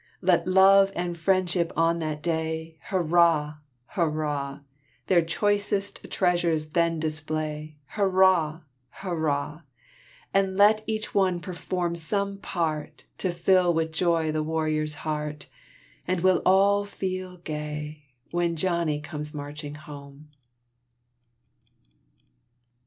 Let love and friendship on that day, Hurrah! hurrah! Their choicest treasures then display, Hurrah! hurrah! And let each one perform some part, To fill with joy the warrior's heart; And we'll all feel gay, When Johnny comes marching home.